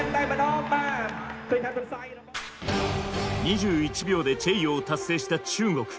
２１秒でチェイヨーを達成した中国。